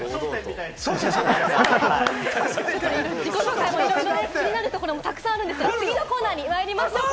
自己紹介もいろいろ気になるところが多いんですが次のコーナーにまいりましょう。